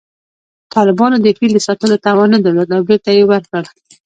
طالبانو د فیل د ساتلو توان نه درلود او بېرته یې ورکړ